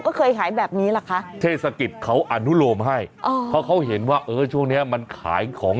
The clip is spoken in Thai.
ก็เคยขายแบบนี้แหละคะเทศกิจเขาอนุโลมให้อ๋อเพราะเขาเห็นว่าเออช่วงเนี้ยมันขายของ